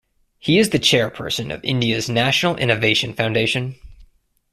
He is the Chairperson of India's National Innovation Foundation.